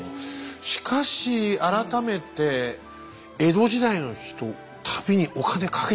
しかし改めて江戸時代の人旅にお金かけてましたね。